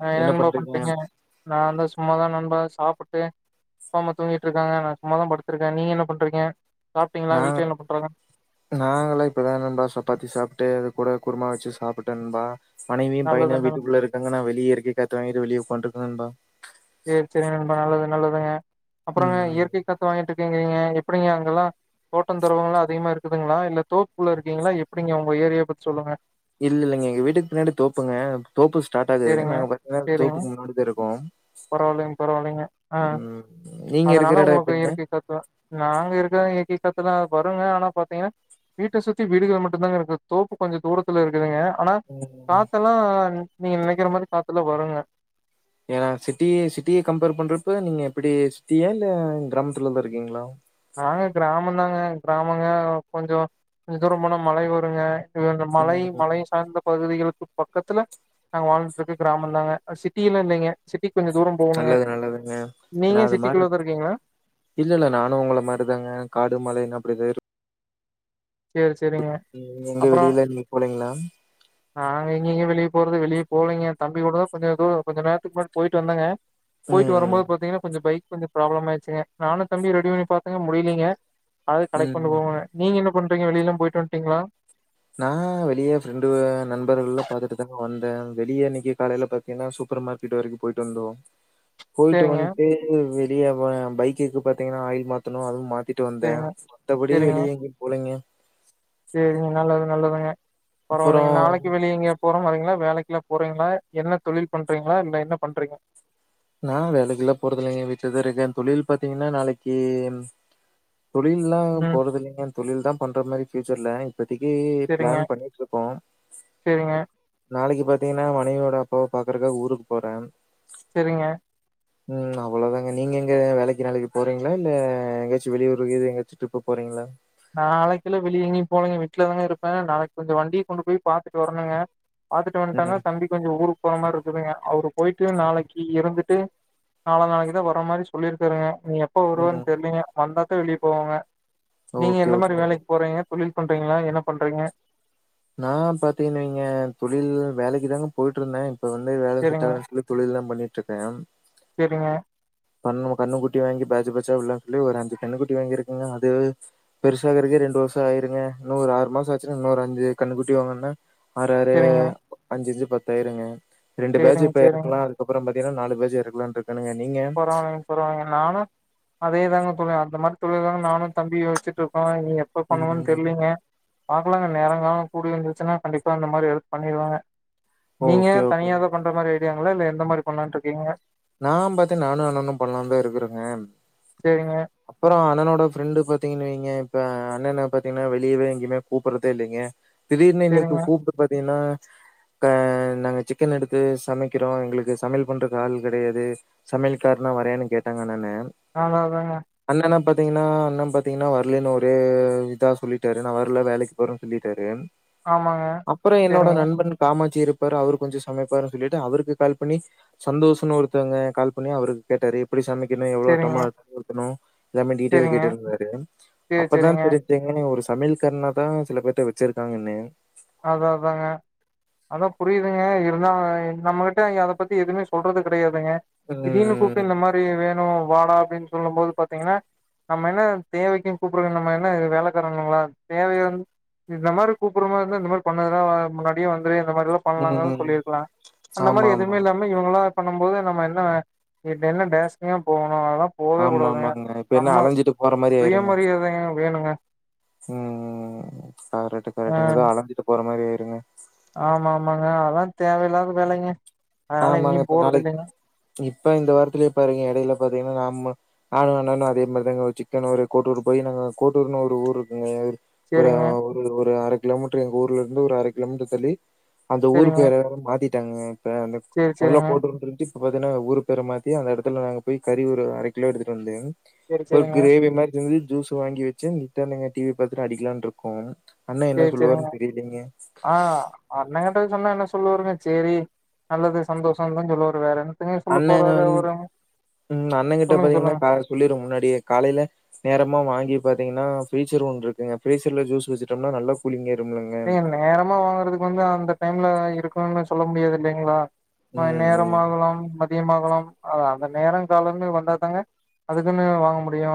அ என்னன்னபா பண்றீங்க நா வந்து சு சும்மாதா நண்பா சாப்புட்டே அப்பாம்மா தூங்கிட்டுருக்காங்க நா சும்மாதா படுத்துருக்கே நீங்க என்ன பண்றீங்க சாப்ட்டீங்களா? நாங வீட்ல என்ன பண்றாங்க? நாங்களா இப்பதா நண்பா சப்பாத்தி சாப்ட்டு அது கூட குருமா வச்சு சாப்புட்டே நண்பா மனைவியு நல்லது பையனு நல்லது வீட்டுக்குள்ள இருக்காங்க நா வெளியே இருக்க காத்து வாங்கிட்டு வெளியே உக்காட்ருக்கே நண்பா சேரி சேரி நண்பா நல்லது நல்லதுங்க அப்பறோங்க ம். இயற்கை காத்து வாங்கி இருங்கீங்க எப்படிங்க அங்கெல்லா தோட்ட தொறவங்கலா அதிகமா இருக்குதுங்களா இல்ல தோப்புள்ள இருக்கீங்களா எப்படிங்க உங்க ஏரியா பத்தி சொல்லுங்க இல்ல இல்லைங்க எங்க வீட்டுக்கு பின்னாடி தோப்புங்க தோப்பு ஸ்டார்ட் ஆகுது சேரிங்க நாங்க பாத்தீங்னா சேரிங்க தோப்புக்கு முன்னாடி தா இருக்கோ பரவால்லைங்க பரவால்லைங்க அஹ் நீங்க அதனால இருக்கிற இடம் ஒங்களுக்கு எப்படிங்க? இயற்கை காத்துதா நாங்க இருக்குற எக் க்டத்துலா வருங்க ஆனா பாத்தீங்கனா வீட்ட சுத்தி வீடுகள் மட்டுதாங்கருக்கு தோப்பு கொஞ்ச தூரத்துல இருக்குதுங்க ஆனா ம். காத்தெல்லா நீங்க நெனைக்கிற மாரி காத்தெல்லா வருங்க ஏனா சிட்டி சிட்டிய கம்பேர் பண்றப்ப நீங்க எப்பிடி சிட்டியா இல்ல கிராமத்துலதா இருக்கீங்ளா நாங்க கிராமந்தாங்க கிராமங்க கொஞ்சோ கொஞ்ச தூர போனா மலை வருங்க இது வந்து மலை மலை ம். சார்ந்த பகுதிகள் இப் பக்கத்துல நாங்க வாழ்ந்துட்டு இருக்க கிராமந்தாங்க அஹ் சிட்டியெல்லா இல்லைங்க சிட் நல்லது நல்லதுங்க நீங்க நாலு சிட்டிக்குள்ளதா மாடுருக்கு இருக்கீங்களா இல்ல இல்ல நானு ஒங்கள மாரி இப்டிதாங்க காடு மலைனு அப்டிதா இருக் சேரிஸ் உம் எங்க வெளியலா நீங்க போலைங்ளா நாங்க எங்கைங்க வெளிய போறது வெளிய போலைங்க தம்பி கூட தா கொஞ்ச துரோ கொஞ்ச நேரத்துக்கு முன்னாடி போய்ட்டு வந்தங்க போய்ட்டு ம், வரம்போது பாத்தீங்கனா கொஞ்ச பைக் கொஞ்ச ப்ராப்ளம் ஆயிர்ச்சுங்க நானு தம்பியு ரெடி பண்ணி பாத்தங்க முடியிலைங்க அது ம், கடைக்கு கொண்டு ம். போவோங்க நீங்க இன்னும் பண்றீங்க வெளியலா போயிட்டு வந்டீங்ளா நா வெளியே ஃப்ரெண்டுவ நண்பர்கள்ல பாத்துட்டு தாங்க வந்தே வெளிய இன்னைக்கு காலைல பாத்தீங்னா சூப்பர் மார்க்கெட் வரைக்கு போய்ட்டு வந்தோ போய்ட்டு சேரிங்க வன்ட்டு வெ ளியவே பைக்குக்கு பாத்தீங்னா ஆயில் மாத்தணு அது மாத் திட்டு வந்தே சேரிங்க மத்தபடி சேரிங்க வெளிய எங்கயு போலைங்க சேரிங்க நல்லது நல்லதுங்க பரவாலைங்க அப்புறம் நாளைக்கு வெளிய எங்கயு போறமாரிங்ளா வேலைக்லா போறீங்ளா என்ன தொழில் பண்றீங்ளா இல்ல என்ன பண்றீங்க நா வேலைக்குலா போறதில்லைங்க வீட்லதா இருக்க தொழில் பாத்தீங்னா நாளைக்கி தொழில்லா ம் போறதில்லைங்க தொழில் தா பண்ற மாரி ஃப்யூச்சர்ல இப்பதக்கி சேரிங்க ப்ளான் பண்ணிட்ருக்கோ சேரிங்க நாளைக்கு பாத்தீங்னா மனைவியோட அப்பாவ பாக்குறக்கா ஊருக்கு போரே செரிங்க உம் அவளோதாங்க நீங்க எங்க வேலைக்கு நாளைக்கு போறீங்ளா இல்ல எங்கயாச்சு வெளியூருகீரு எங்காச்சு ட்ரிப்பு போறீங்ளா நாளைக்குலா வெளிய எங்கயு போலைங்க விட்லதாங்க இருப்பே நாளைக்கு கொஞ்ச வண்டிய கொண்டு போய் பாத்துட்டு வர்ணுங்க பாத்துட்டு வந்ட்டாங்னா ம். தம்பிக் கொஞ்சோ ஊருக்கு போற மாரி இருக்குதுங்க அவருக் போயிட்டு நாளக்கி இருந்துட்டு நால நாளைக்கு தா வர மாரி சொல்லிருக்குறே இனி எப்ப ம். வருவார்னு தெர்லீங்க வந்தா [unintelligible] வெளிய போவோங்க நீங்க ஓகே, எந்த ஓகே. மாரி அதுவும் வேலைக் போறீங்க தொழில் பண்றீங்ளா என்ன பண்றீங்க நா பாத்திங்கன் வெய்ங்க தொழில் வேலைக்கு தாங்க போய்ட்ருந்தே இப்ப வந்து வேல சேரிங்க செட்டாகல சொல்லி தொழில் தா பண்ணிட்ருக்கே சேரிங்க பண்ணுவோ கண்ணுக்குட்டி வாங்கி பேட்ஜ் பேட்ஜா உட்லா சொல்லி ஒரு அஞ்சு கன்னு குட்டி வாங்கிருக்குங்க அது பெருசாகருக்கு ரெண்டு வர்ஷோ ஆயிருங்க இன்னு ஒரு ஆறு மாசோ வச்சுருந்து இன்னோரு அஞ்சு கன்னுகுட்டி வாங்னோன்ன ஆராறு சேரிங்க அஞ்சஞ்சு பத் தாய்ருங்க ரெண்டு பேஜு சேரிங்க இப்ப சேரிங்க எறக்கலா அதுக்கப்றம் பாத் தீனா நாலு பேஜ் எறக்கலான்ட்ருக்கானுங்க நீங்க பரவால்லீங் பரவால்லீங்க நானு அ தே தாங்க தோழர் அந்த மார் தொழிலதாங்க நானு தம்பியு வெச்சிட்ருக்கோ இனி எப்ப பண்ணுவோன்னு ம். தெரிலீங்க பாக்கலாங்க நேரங்காலோ கூடி வந்துருந்துச்சுன்னா கண்டிப்பா இந்த மாரி ஹெல்ப் பண்ணிருவாங்க நீங்க ஓகே, ஓகே. தனியாதா பண்ற மார் ஐ டியாங்களா இல்ல எந்த மாரி பண்லான்ட்ருக்கீங்க நா பாத்தீங் நானு அண்ணனு பண்லான்டு இருக்கறங்க சேரிங்க அப்பறோ அண்ணனோட ஃப்ரெண்டு் பாத்தீங்கன் வெய்ங்க இப்ப அண்ணென்ன பாத்தீங்ன்னா வெளியவே எங்கயுமே கூப்பட்றதே இல்லீங்க திடீர்னு இன்னைக்கு சேரிங்க கூப்ட்டு பாத்தீங்ன்னா க நாங்க சிக்கன் எடுத்து சமைக்கறோ எங்களுக்கு சமையல் பண்றக்கு ஆள் கெடையாது சமையல் காரனா வரயான்னு கேட்டாங்க அந்த அண்ண அதனால தாங்க ண்ணன பாத்தீங்கன்னா அண்ண பாத்தீங்கன்னா வர்லேனு ஒரு இதா சொல்லிட்டாரு நா வர்ல வேலைக்கு போறேனு சொல்லிட்டாரு ஆமாங்க அப்பறோ என்னோட சேரிங்க நண்பன் காமா ச்சி இருப்பாரு அவரு கொஞ்சோ சமைப்பாரு சொல்லிட்டு அவருக்கு கால் பண்ணி சந்தோஷுனு ஒருத்தவங்க கால் பண்ணி அவருக் கேட்டாரு எப்டி சமை பின்னு சேரிங்க எவ்ளோ [unintelligible] னு எல்லாமே டீட்டெய்ல் சேரிங்க கேட்டுருந்தாரு சேரி அப்ப தா சேரிங்க தெரின்ச்சுங்க [unintelligible] ஒரு சமைல் காரனா தா சில பேத்த வெச்சிருக்காங்கன்னு அதா அதாங்க அதா புரியிதுங்க இருந்தா அவ நம்மகிட்ட அத பத்தி எதுமே சொல்றது கெடையா ல்லங்க திடீர்னு கூப்ட்டு இந்த ம். மாரி வேணு வாடா அப்டின் சொல்லும் போது பாத்தீங்கன்னா நம்ம என்ன தேவைக்கு கூப்ட்ருக்கு நம்ம என்ன வேலக்காரனுங்களா தேவையாந்து இந்த மாரி கூப்பட்ற மார் ந்தா இந்த மாரி பண்ணாதடா முன்னாடியே வந் மொதலயே இந்த மாரில்லா பண்லாங்கன் ம். சொல்லிருக்கலா அந்த மாரி எதுமே ஆமாமா. இல்லாம இவங்களா பண்ணு போது நம்ம என்ன என்ன டேசனியா போணு ஆமா ஆமாங்க இப்ப என்ன அலஞ்சிட்டு போற மாரி ஆயிருங்க சுயமரியாதைங்க வேணுங்க உம் உம் உம் கரெட்டு ஆ கரெட்டுங்க ஏதோ அளஞ் போற மாரி ஆயிருங்க ஆமா ஆமாங்க அதா தேவயில்லக்கு வேலிங்க அதனால ஆமாங்க. எங்கேயு இப்ப போறது நாளைக்கு இல்லிங்க இப்ப இந்த வாரத்துலயே பாருங்க இடையில பாத்தீங்கன்னா நம்ம நானு அண்ணணு அதே மாரிதாங்க ஒரு சிக்கனூரு கோட்டூர் போய் நாங்க கோட்டூர்ன்னனு ஒரு ஊர் இருக்குங்க ஒரு அ சேரிங்க ஒரு இல்ல ஒரு அ கிலோமீட்டர் எங்க ஊர்ல இருந்து ஒரு அர கிலோமீட்டர் தள்ளி அந்த ஊரு சேரிங்க பெயரு வேர மாத்தி ட்டாங்க இப் சேரி அதெல்லா சேரிங்க போட்டுற பாத்திங்கன்னா ஊர் பேர மாத்தி அந்த எடத்துல நாங்க போய் கறி ஒரு அர கிலோ எடுத்துட்டு வந்து சேரி ஒரு சேரிங்க கிரேவி மாரி செஞ் ஜூஸ்சு வாங்கி வெச்சு [unintelligible] டிவி பாத்திட்டு அடிக்கலான்னு இருக்கோங்க சேரி சேரிங்க ஆஹ் அண்ண என்ன கேட்டா என்ன சொ சொல்ல வாருங்க சேரி நல்லது சந்தோஷம்னு தா சொல்லுவாரு வேற என்னத்தங்க சொல்ல அண்ணன் போறாரு வந்து அவரு உம் அண்ணன் கிட்ட சொல்லுங்க சொல்லுங்க பாத்தீங்கன்னா சொல்லிருவோ முன்னாடி காலையில நேரமா வாங்கி பாத்தீங்கன்னா ஃபிரீச்சர் ஒன்னு இருக்கு ஃபிரிசர் ல ஜூஸ் வெச்சுட்டோம்னா நல்லா கூலி்ங் ஆயிருங் நீங்க நேரமா வாங்கறதுக்கு வந்து அந்த டைம்ல இருக்கு சொல்ல முடியாது இல்லிங்களா ஆ ம், ம். நேரமாகலாம் மதியமாகலாம் அத அந்த நேரம் காலனு வந்தா தாங்க அதுக்குன்னு வாங்க முடியு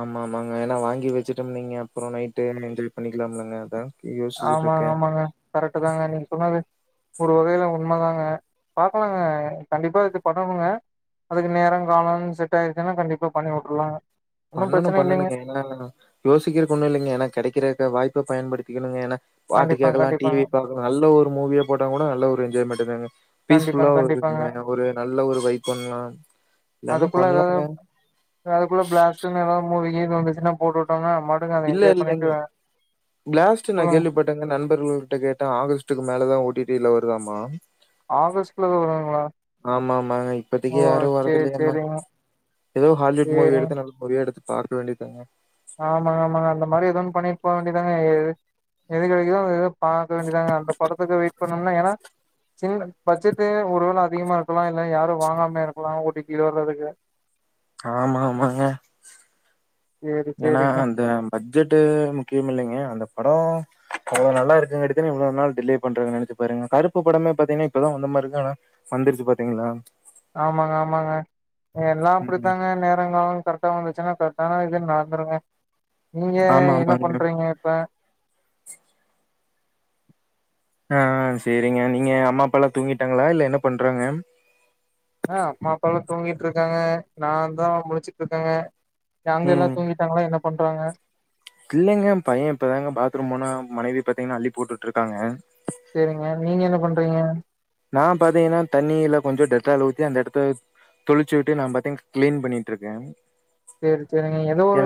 ஆமா ஆமாங்க ஏன்னா வாங்கி வெச்சுட்டோம்னு வைங்க அப்புறம் நைட்டு என்ஜாய் பண்ணிக்கலாம்லங்க அதா ஆமாங்க ஆமாங்க கரெக்ட் தாங்க நீங்க சொன்னது ஒரு வகையில உண்மதாங்க பாக்கலாங்க கண்டிப்பா இது பண்ணணுங்க அதுக்கு நேரம் காலம் செட் ஆயிடுச்சன்னா கண்டிப்பா பண்ணி வுட்டுரலாங்க பண்ணணும் பண்ணணுங்க ஏன்னா யோசிக்கிறதுக்கு ஒன்னு இல்லிங்க எனக்கு கெடைக்கிற வாய்ப்ப பயன்படுத்தி த்திகனுங்க பாட்டு கண்டிப்பாங்க கேட்கலா கண்டிப்பாங்க டிவி பாக்கலா நல்ல ஒரு மூவியா போட்டா கூட நல்ல ஒரு என்ஜாய்மெண்ட் தாங்க பீஸ்ஃபுல்லா கண்டிப்பாங்க கண்டிப்பாங்க இருக்குங்க ஒரு நல்ல ஒரு வைப் பண்ணலா எல்லாமே அதுக்குள்ள ஏதாவது பண்ணலாங்க [unintelligible] [unintelligible] போட்டு விட்டோங்க இல்ல இல்லங் பிலாஸ்ட் நான் சொல்லுங்க கேள்விப்பட்டேங்க நண்பர் ஒரு கிட்ட கேட்டேன் ஆகஸ்ட்டுக்கு மேலதா ஓ டி டி ல வருதாமா ஆகஸ்ட்ல வருங்களா ஆமா ஆமாங்க ஓ இப்பத்திக்கு யாரும் வர்து சேரி இல்லங்மங் சேரிங்க ஏதோ ஹாலிவுட் மூவி சேரிங்க எடுத்து நல்ல மூவியா எடுத்து பார்க்க வேண்டிதாங்க ஆமாங்க ஆமாங்க அந்த மாரி எதுவுன்னு பண்ணிட்டு போக வேண்டியதாங்க எது எது கிடைக்குதோ எதவும் பார்க வேண்டியதாங்க அந்த படத்துக்கு வெயிட் பண்ணும்ம்னா ஏன்னா சின்ன பட்ஜெட்டு் ஒரு வேளை அதிகமா இருக்கலாம் இல்ல யாரும் வாங்காமே இருக்கலாம் ஓ டி டி ல வர்றதுக்கு ஆமா ஆமாங்க சேரி ஏன்னா சேரிங்க அந்த பட்ஜெட்டு முக்கியம் இல்லைங்க அந்த படோ அத நல்லாருக்கங்காட்டி தான இவ்ள நாளு டிலே பண்றாங்க நெனச்சு பாருங்க கருப்பு படமே பாத்தீங்கன்னா இப்பதான் வந்த மாரி இருக்கு ஆனா வந்துருச்சு பாத்தீங்களா ஆமாங்க ஆமாங்க எல்லாம் ம். அப்புடித்தாங்க நேரங்காலம் கரெக்டா வந்துச்சுன்னா கரட்டான இது நடந்துருங்க நீங்க ஆமா, என்ன ஆமாங்க. பண்றீங்க இப்ப ஆ சரிங்க நீங்க அம்மா அப்பா எல்லாம் தூங்கிட்டாங்களா இல்ல என்ன பண்றாங்க ஆஹ் அம்மா அப்பாலாம் தூங்கிட்டு இருக்காங்க நா தான் முழிச்சிட்டு இருக்கேங்க அங்க எல்லா உம் தூங்கிட்டாங்களா என்ன பண்றாங்க பிள்ளைங்க பையன் இப்பதாங்க பாத்ரூம் போனா மனைவி இப்ப பாத்தீங்கன்னா அள்ளி போட்டு இருக்காங்க செரிங்க நீங்க என்ன பண்றீங்க நா பாத்தீங்கன்னா தண்ணியில கொஞ்சம் டெட்டால் ஊத்தி அந்த இடத்த தொளிச்சு விட்டு நான் பாத்தீங்கன்னா கிளீன் பண்ணிட்டு இருக்கேன் செரி செரிங்க ஏதோ ஒரு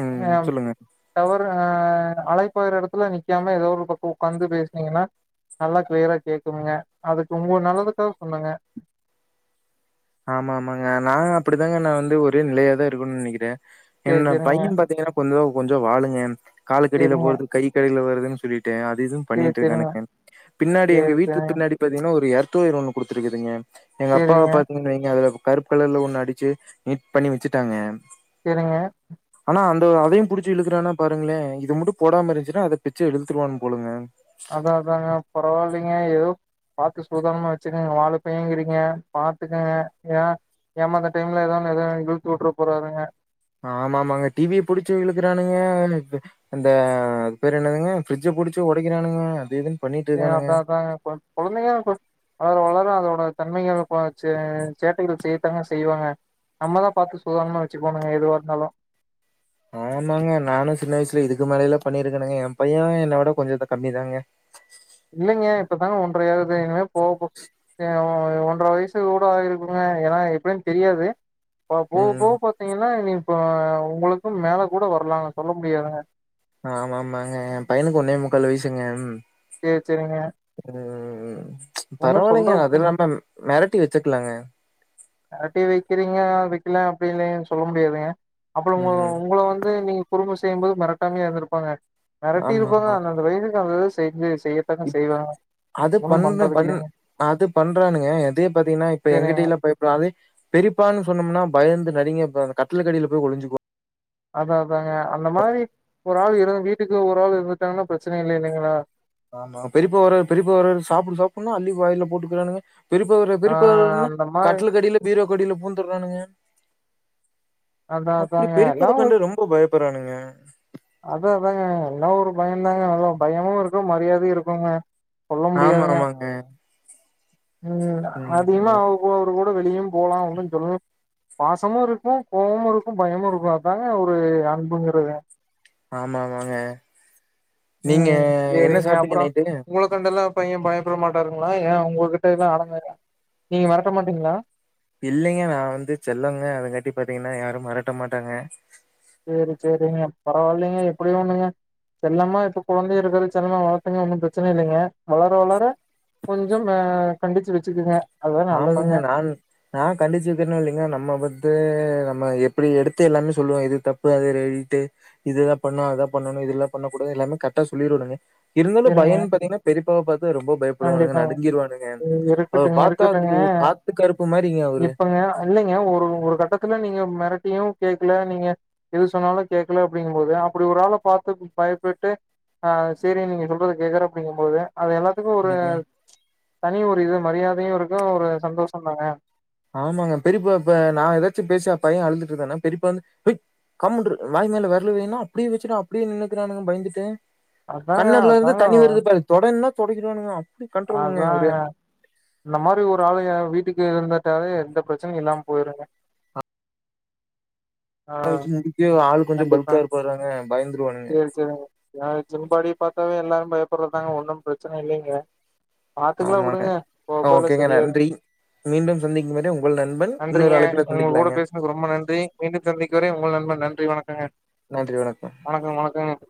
ம் ஹ சொல்லுங்க. டவர் ஆஹ் அழைப் வாய்ர இடத்துல நிக்காம ஏதோ ஒரு பக்கம் உட்காந்து பேசினீங்கனா நல்லா கிளியரா கேக்குங்க அதுக்கு உங்க நல்லதுக்காக சொன்னேங்க ஆமா ஆமாங்க நான் அப்டிதாங்க நா வந்து ஒரே நிலையா தான் இருக்கணு நினைக்கிறே சேரி என்ன சேரிங்க பையன் பாத்தீங்கன்னா கொள் கொஞ்சோ வாளுங்க காலுக் கடில சேரிங்க போறது கை கடில ப் தன் சுலி தெதா துவு சேரி பண்ணிட்டு சேரிங்க இருக்கீங்க பின்னாடி எங்க சேரி வீட்டுக்கு சேரிங்க பின்னாடி பாத்தீங்கன்னா ஒரு ஏரோ தூயர் ஒன்னு குடுத்துருக்குங்க எங்க அப்பாவ சேரிங்க பத் ங்க அதுல கருப்பு கலர்ல ஒண்ணு அடிச்சு நீட் பண்ணி வச்சுட்டாங்க செரிங்க ஹ அந்த அதையு புடிச்சு இழுக்குறோனா பாருங்களே இத மட்டும் போடாமல் இருந்துச்சுன்னா அதை பிச்சு எடுத்துடுவான் போலுங்க அதான் அதாங்க பரவாயில்லைங்க ஏதோ பார்த்து சூதானமா வச்சுக்கோங்க வாலு பையன் என்கிறீங்க பாத்துக்கங்க ஏ ஏமாந்த டைம்ல ஏதாவது எத இழுத்து விட்டுற போறாங்க ஆமா ஆமாங்க டிவிய புடிச்சு விழுக்கறானுங்க இந்த அது பேரு என்னதுங்க பிரிட்ஜ் புடிச்சு உடைக்கிறாங்க அது எதுன்னு அதான் அதாங்க குழந்தைங்க வளர வளர அதோட தன்மைகள் பாசு சேட்டைகள் செய்யதா செய்வாங்க நம்மதா பார்த்து சூதானமா வச்சுக்கணுங்க எதுவா இருந்தாலும் ஆமாங்க நானும் சின்ன வயசுல இதுக்கு மேலலாம் பண்ணிருக்கனுங்க என் பையன் என்னை விட கொஞ்சோம் இத கம்மிதாங்க இல்லைங்க இப்பதாங்க ஒன்றையாவது இனிமே போகோ ஒன்றரை வயசு கூட ஆகிருக்குங்க ஏன்னா எப்டி னு தெரியாது ம். போகப்போக பார்த்தீங்கன்னா நீ இப்போ உங்களுக்கும் மேல கூட வரலாங்க சொல்ல முடியாதுங்க ஆ ஆமா ஆமாங்க என் பையனுக்கு ஒன்னே முக்கால் வயசுங்க சேரி சேரிங்க ம் ஒன்னு பரவாயில்லைங்க சொல்றக்கு அதுல்லாம மிரட்டி வச்சுக்கலாங்க டிவி வைக்கிறீங்க வைக்கல அப்படின்னு சொல்ல முடியாதுங்க அப்புறம் ம். உங்களை வந்து நீ குறும்பு செய்யும் போது மிரட்டாமையா இருந்திருப்பாங்க மிரட்டி இருப்பாங்க ஆமாமா. அந்த அந்த வயசுக்கு அந்த செஞ்சு செய்யத்தக்க செய்வாங்க அது ஒன்னும் பண்ற பண்றதுக்கு பண் இல்லைங்க அது பண்றானுங்க அதே பாத்தீங்கனா இப்ப சரிங்க எங்கிட்டீல பய ப்ராவெ பெரியப்பான்னு சொன்னொமுனா பயந்து நடுங்கி அப்ப அந்த கட்டுலுக்கடில போய் ஒளுஞ்சுக்குவோ அதாஅதாங்க அந்த மாரி ஒரு ஆள் இரு வீட்டுக் கு ஒரு ஆள் இருந்துட்டாங்னா ப்ரச்சன இல்ல இல்லெங்களா ஆமா பெரிப்பா வரா பெரிப்பா வராரு சாப்புடு சாப்புன்னா அள்ளி வாய்ல போட்டுக்குறானுங்க பெரிப்பா வரா ஆ பெரிப்பா வராருனு அந்த மாரி கட்லுக்கடில பீரோக்கடில பூந்துர்றானுங்க அதா அப்டி அதாங்க பெரிப்பாவ கண்டு ரொம்ப பயப் புறானுங்க அதாஅ தாங்க எல்லா ஒரு பயந்தாங்க நல்ல பயமு இருக்கு மரியாதை இருக்குங்க சொல்ல ஆமா முடியாதுங்க ஆமாங்க ம் அதிமா ம். ஓரு ஒ ஆ வெளியும் போலா ஒன்னுஞ் சொல் பாசமுருக்கூ கோவமுருக்கூ பயமுருக்கூ அதாங்க ஒரு அன்புங்குறதே ஆமாமாங்க ம் சேரிங்க அப்பறோ உங்களுக்கண்டெல்லா பைய பயப்பட மாட்டாருங்ளா ஏ உங்ககிட்டைல்லா அடங்க நீங்க மெரட்ட மாட்டீங்ளா இல்லெங்க நா வந்து செல்லங்க அதங்கட்டி பாத்தீங்கனா யாரும் மரட்ட மாட்டாங்க சேரி சேரிங்க பரவால்லேங்க எப்புடியோ ஒண்ணுங்க செல்லமா இப்ப கொழந்தைய இருக்கது செல்லமா வளத்தங்க ஒன்னும் ப்ரச்சன இல்லெங்க வளர வளர கொஞ்சம் ஆ கண்டுச்சு வச்சுக்குங்க அதுதா ஆமாங்க நல்லதுங்க நான் நா கண்டுச்சுதினொ இல்லெங்கொ நம்ம பத்து வம் ம எப்புடி எடுத்து எல்லாமே சொல்லுவோ இது தப்பு அது ரைட்டு இதித பண்ணா அத பண்ணணு இதில்லா பண்ணகூடாது எல்லாமே கர்டா சொல்லிருவேனுங்க இருந்தாலும் சேரிங்க பயன் பாத்தீங்னா பெரிப்பாவ பாத்து ரொம்ப பயப்புடுவானுங்க நடுங்கிருவானுங்க அவர பாத் கட்டுங்க இப்பங்க இல்லங்க ஒரு ஒரு கட்டத்துல நீங் க மெரட்டியு கேக்கல நீங்க எது சொன்னாலு கேக்கல அப்டிங்கும்போது அப்புடி ஒரு ஆள பாத்து பயப்புட்டு ஆ சேரி நீங்க சொல்றத கேக்குற அப்டிங்கும்போது அது எல்லாத்துக்கு ஒரு ம் தனி ஒ ரு இது மரியாதையு இருக்கு ஒரு சந்தோஷம் தாங்க ஆமாங்க பெரிப்பா இப்ப நா எதாச்சு பேசி பைய அழுதுட்ருந்தானா பெரிப்பா வந்து ஹொய் கம்முண்டுரு வாய் மேல வெர்ல வைனா அப்டியே வச்சுட்டு அப்டியே நின்னுக்குறானுங்க பயந்துட்டே அதாங்க கண்லர்லருந்து அதாங்க தண்ணி வருது பாரு தொடன்னா தொடக்கிறானுங்கா அதாங்க இந்த மாரி ஒரு ஆளய வீட்டுக் இருந்துட்டாவே எந்த ப்ரச்சனையு இல்லாம் போயிருங்க ஆ [unintelligible] முடிக்க ஆள் கொஞ்சம் பல்கா கண்டிப்பாங்க இருப்பாறாங்க பயந்துருவானுங்க சேரி சேரிங்க ஆ ஜிம் பாடி பாத்தாவே எல்லாரும் பயப்பர்றதாங்க ஒன்னும் ப்ரச்சன இல்லிங்க பாத்துக்கலா ஆமாங்க வுடுங்க போ போல்லா ஓகேங்க சரியாரு நன்றி மீண்டும் சந்திக்கும் வரை உங்கள் நண்பன் நன்றிங்க இன்னொரு அழைப்புல உங்க கூட சந்திக்கலாங்க பேசுனதுகு ரொம்ப நன்றி மீண்டும் சந்திக்கு வரை உங்கள் நண்பன் நன் நன்றி வணக்கங்க வணக்கம் வணக்கம்